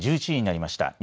１１時になりました。